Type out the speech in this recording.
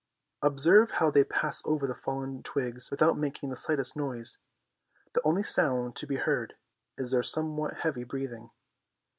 Observe how they pass over fallen twigs without making the slightest noise. The only sound to be heard is their somewhat heavy breathing.